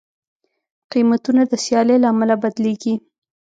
قیمتونه د سیالۍ له امله بدلېږي.